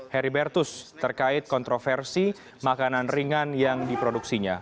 heribertus terkait kontroversi makanan ringan yang diproduksinya